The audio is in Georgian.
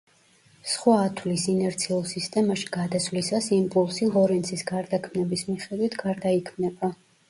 სხვა ათვლის ინერციულ სისტემაში გადასვლისას იმპულსი ლორენცის გარდაქმნების მიხედვით გარდაიქმნება.